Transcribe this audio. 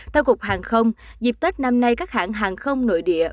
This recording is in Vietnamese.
theo cục hàng không dịp tết năm nay các hãng hàng không nội địa